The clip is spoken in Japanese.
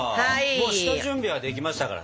もう下準備はできましたからね。